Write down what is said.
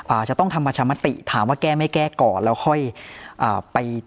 อาจจะต้องทำประชามติถามว่าแก้ไม่แก้ก่อนแล้วค่อยอ่าไป